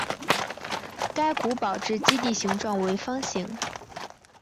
该古堡之基地形状为方形。